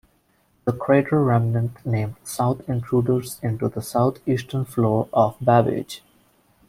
The crater remnant named South intrudes into the southeastern floor of Babbage.